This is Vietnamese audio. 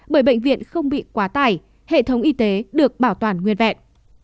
bởi bệnh viện không bị quá tải hệ thống y tế được bảo toàn nguyên vẹn